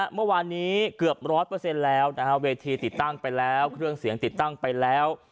เมื่อวานนี้เกือบ๑๐๐แล้วนะฮะเวทีติดตั้งไปแล้วเครื่องเสียงติดตั้งไปแล้ว